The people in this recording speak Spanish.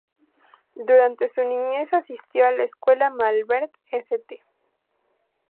Durante su niñez, asistió a la escuela Malvern St.